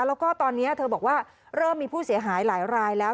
แล้วก็ตอนนี้เธอบอกว่าเริ่มมีผู้เสียหายหลายรายแล้ว